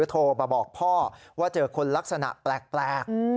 โทรมาบอกพ่อว่าเจอคนลักษณะแปลก